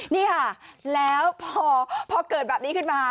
นี่ค่ะแล้วพอเกิดแบบนี้ขึ้นมา